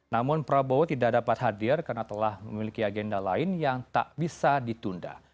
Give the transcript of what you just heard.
namun prabowo tidak dapat hadir karena telah memiliki agenda lain yang tak bisa ditunda